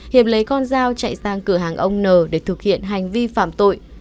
hiệp lấy con dao chạy sang cửa hàng ông n để thực hiện hành vi phạm tội